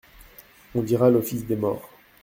On dira l'office des morts.